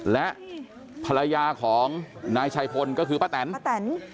และภรรยาของนายชัยพลก็คือป้าแตนป้าแตน